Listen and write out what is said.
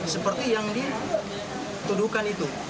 seperti yang dituduhkan itu